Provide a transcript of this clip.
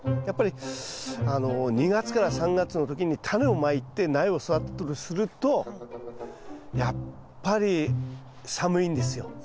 やっぱり２月から３月の時にタネをまいて苗を育てるとするとやっぱり寒いんですよ。